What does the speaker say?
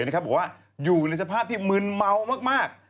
บอกว่าอยู่ในสภาพที่มืนเมามาก